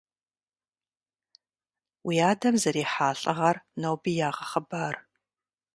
Уи адэм зэрихьа лӀыгъэр ноби ягъэхъыбар.